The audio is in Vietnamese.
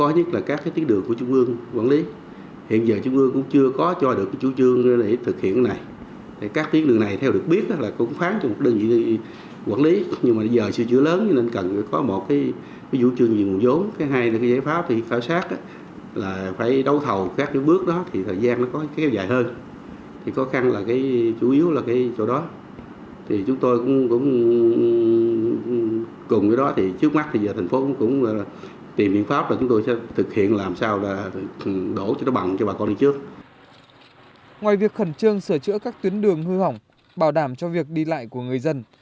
ngoài việc khẩn trương sửa chữa các tuyến đường hư hỏng bảo đảm cho việc đi lại của người dân